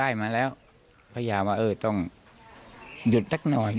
ผมไม่ว่าครับ